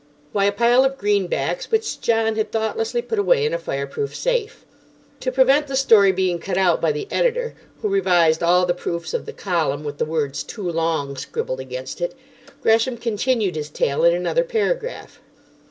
Why, a pile of greenbacks which John had thoughtlessly put away in a fire proof safe." To prevent the story being cut out by the editor, who revised all the proofs of the column, with the words "too long" scribbled against it, Gresham continued his tale in another paragraph.